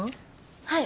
はい。